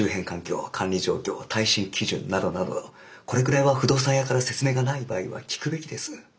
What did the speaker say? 耐震基準などなどこれくらいは不動産屋から説明がない場合は聞くべきです。